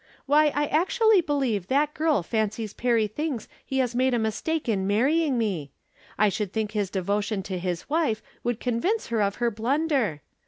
Why, I actually believe that girl fancies Perry thinks he has made a mistake in marrying me ! I should think his devotion to his wife would convince her of her blunder.